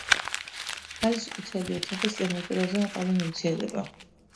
არის ყვითელი, ოთახის ტემპერატურაზე მყარი ნივთიერება.